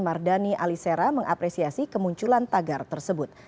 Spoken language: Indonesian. mardani alisera mengapresiasi kemunculan tagar tersebut